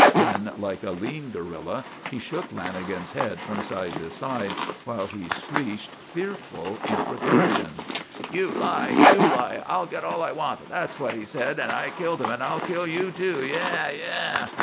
Then, like a lean gorilla, he shook Lanagan's head from side to side while he screeched fearful imprecations. "_You lie! You lie! I'll get all I want! That's what he said, and I killed him, and I'll kill you, too! Yah! Yeeah!